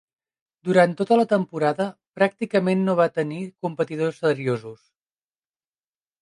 Durant tota la temporada pràcticament no va tenir competidors seriosos.